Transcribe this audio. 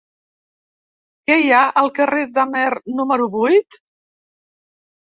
Què hi ha al carrer d'Amer número vuit?